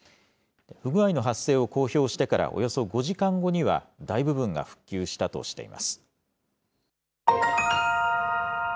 不具合の発生を公表してからおよそ５時間後には、大部分が復旧したとしています。